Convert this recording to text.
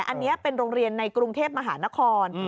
อันนี้เป็นโรงเรียนในกรุงเทพมหานคร